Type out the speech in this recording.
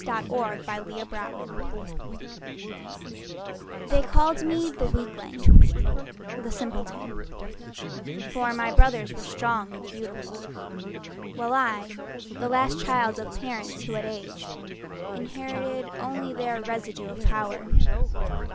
Willie Pennington They called me the weakling, the simpleton, For my brothers were strong and beautiful, While I, the last child of parents who had aged, Inherited only their residue of power.